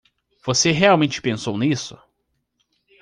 Você realmente pensou nisso?